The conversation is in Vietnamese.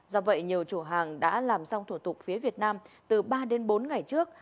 do vậy nhiều chủ hàng đã làm xong thủ tục phía việt nam từ ba đến bốn ngày trước